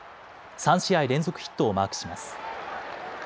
３試合連続ヒットをマークします。